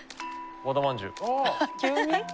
和田まんじゅう。